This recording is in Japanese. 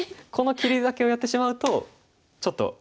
この切りだけをやってしまうとちょっと。